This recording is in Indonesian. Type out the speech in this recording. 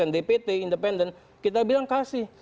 dpt independen kita bilang kasih